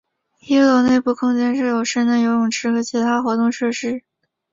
一楼内部的空间设有室内游泳池和其他活动设施。